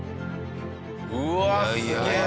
うわすげえ。